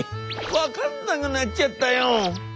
分かんなくなっちゃったよ。